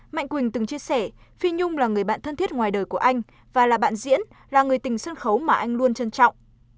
mạnh quỳnh từng chia sẻ phi nhung là người bạn thân thiết ngoài đời của anh và là bạn diễn là người tình sân khấu mà anh luôn trân trọng